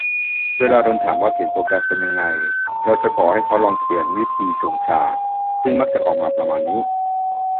เวลาโดนถามว่าเขียนโปรแกรมเป็นยังไง เราจะขอให้เขาลองเขียนวิธีชงชา ซึ่งมักออกมาประมาณนี้